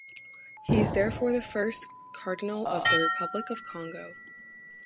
He is therefore the first cardinal of the Republic of Congo.